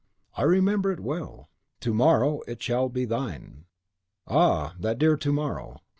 "I remember it well." "To morrow it shall be thine!" "Ah, that dear to morrow!"